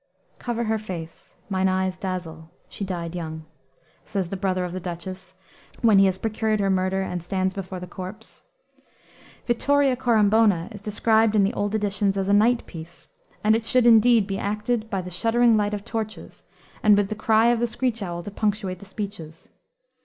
"Cover her face; mine eyes dazzle; she died young," says the brother of the Duchess, when he has procured her murder and stands before the corpse. Vittoria Corombona is described in the old editions as "a night piece," and it should, indeed, be acted by the shuddering light of torches, and with the cry of the screech owl to punctuate the speeches.